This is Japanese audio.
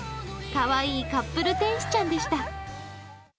かわいいカップル天使ちゃんでした。